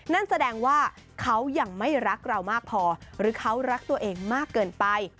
นั่นแสดงว่าเขายังไม่รักเรามากพอหรือเขารักตัวเองมากเกินไป